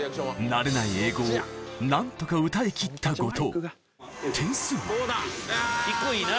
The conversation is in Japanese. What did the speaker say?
慣れない英語を何とか歌いきった後藤点数は？